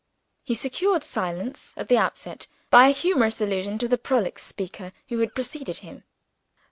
He secured silence, at the outset, by a humorous allusion to the prolix speaker who had preceded him.